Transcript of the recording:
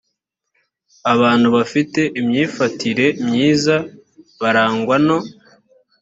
abantu bafite imyifatire myiza barangwa no